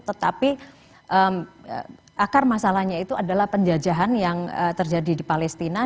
tetapi akar masalahnya itu adalah penjajahan yang terjadi di palestina